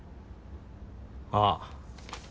ああ。